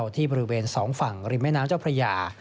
ที่บริเวณ๒ฝั่งริมแม่น้ำเจ้าพระยา